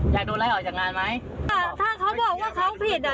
อยากโดนไล่ออกจากงานไหมอ่าถ้าเขาบอกว่าเขาผิดอ่ะ